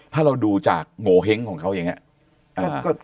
ถ้าเราดูจากโงเห้งของเขาอย่างนี้